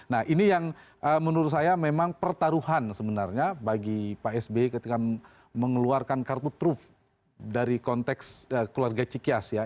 nah ini yang menurut saya memang pertaruhan sebenarnya bagi pak sby ketika mengeluarkan kartu truf dari konteks keluarga cikias ya